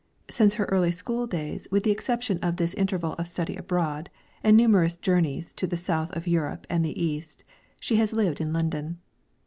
Since her early school days, with the exception of this interval of study abroad, and numerous journeys to the south of Europe and the East, she has lived in London.